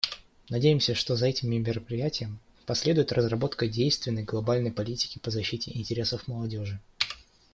Надеемся, что за этим мероприятием последует разработка действенной глобальной политики по защите интересов молодежи.